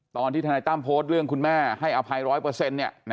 ตอนที่ธนัยตั้มโพสต์เรื่องคุณแม่ให้อภัยร้อยเปอร์เซ็นต์เนี่ยนะ